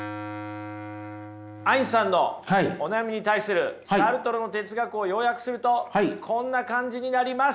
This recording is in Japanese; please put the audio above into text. アインさんのお悩みに対するサルトルの哲学を要約するとこんな感じになります。